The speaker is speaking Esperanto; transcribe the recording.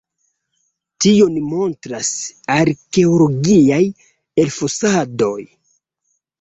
Tion montras arkeologiaj elfosadoj.